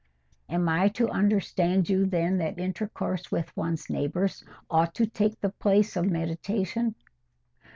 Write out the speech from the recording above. "Am I to understand you, then, that intercourse with one's neighbours ought to take the place of meditation?"